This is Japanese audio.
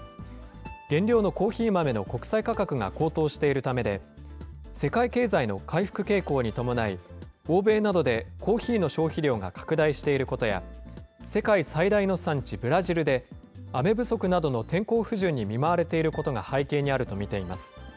原料のコーヒー豆の国際価格が高騰しているためで、世界経済の回復傾向に伴い、欧米などでコーヒーの消費量が拡大していることや、世界最大の産地、ブラジルで、雨不足などの天候不順に見舞われていることが背景にあると見ています。